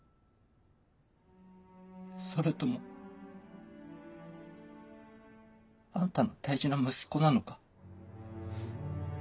それともあんたの大事な息子なのか？